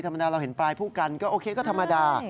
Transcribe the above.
ธรรมดาเราเห็นปลายผู้กันก็โอเคก็ธรรมดา